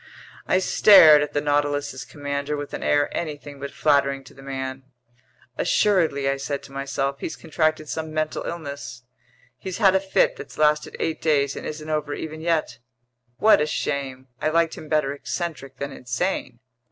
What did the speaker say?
I stared at the Nautilus's commander with an air anything but flattering to the man. "Assuredly," I said to myself, "he's contracted some mental illness. He's had a fit that's lasted eight days and isn't over even yet. What a shame! I liked him better eccentric than insane!"